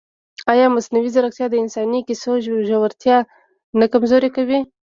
ایا مصنوعي ځیرکتیا د انساني کیسو ژورتیا نه کمزورې کوي؟